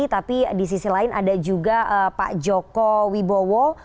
tapi di sisi lain ada juga pak joko wibowo